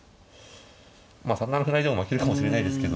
まあ３七歩成でも負けるかもしれないですけど。